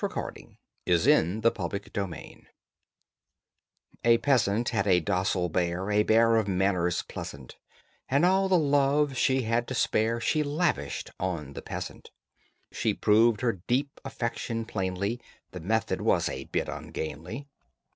THE CONFIDING PEASANT AND THE MALADROIT BEAR A peasant had a docile bear, A bear of manners pleasant, And all the love she had to spare She lavished on the peasant: She proved her deep affection plainly (The method was a bit ungainly).